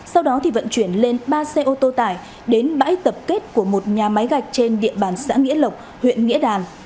sau đó vận chuyển lên ba xe ô tô tải đến bãi tập kết của một nhà máy gạch trên địa bàn xã nghĩa lộc huyện nghĩa đàn